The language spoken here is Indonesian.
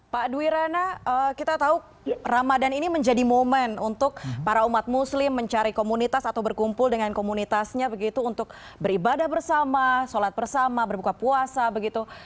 pak duwirana kita tahu ramadan ini menjadi momen untuk para umat muslim mencari komunitas atau berkumpul dengan komunitasnya begitu untuk beribadah bersama sholat bersama berbuka puasa begitu